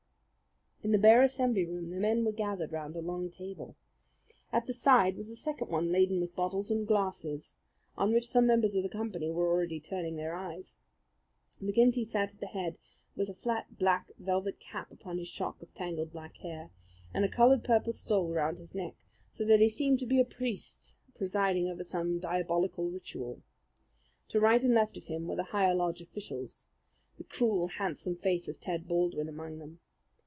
In the bare assembly room the men were gathered round a long table. At the side was a second one laden with bottles and glasses, on which some members of the company were already turning their eyes. McGinty sat at the head with a flat black velvet cap upon his shock of tangled black hair, and a coloured purple stole round his neck, so that he seemed to be a priest presiding over some diabolical ritual. To right and left of him were the higher lodge officials, the cruel, handsome face of Ted Baldwin among them.